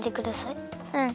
うん。